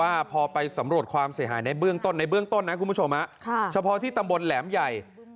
อาทิตย์มันถามว่าไหล่ไม่ง่าย